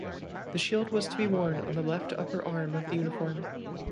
The shield was to be worn on the left upper arm of the uniform.